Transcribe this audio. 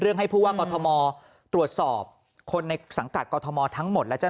เรื่องให้ผู้ว่ากตรวจสอบคนในสังกัดกทั้งหมดและเจ้า